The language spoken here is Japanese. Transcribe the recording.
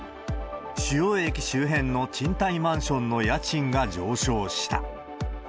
主要駅周辺の賃貸マンションの家賃が上昇した。